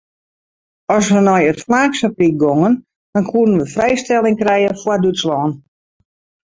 As we nei it flaaksfabryk gongen dan koenen we frijstelling krije foar Dútslân.